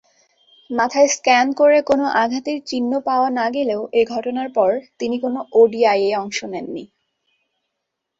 মাথা স্ক্যান করে কোন আঘাতের চিহ্ন পাওয়া না গেলেও এ ঘটনার পর আর তিনি কোন ওডিআইয়ে অংশ নেননি।